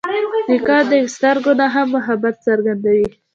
نیکه د سترګو نه هم محبت څرګندوي.